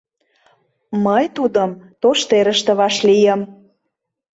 — Мый тудым тоштерыште вашлийым.